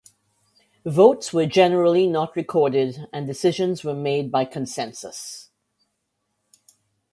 Votes were generally not recorded and decisions were made by consensus.